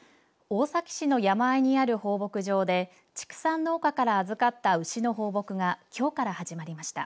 大崎市の山あいにある放牧場で畜産農家から預かった牛の放牧がきょうから始まりました。